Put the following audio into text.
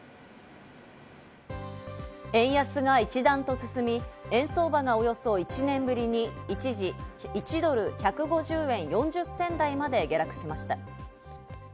円安が一段と進み、円相場がおよそ１年ぶりに一時、１ドル＝１５０円４０銭台まで下落しました。